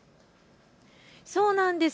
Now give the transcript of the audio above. そうなんです。